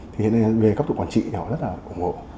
thế nên về cấp độ quản trị thì họ rất là ủng hộ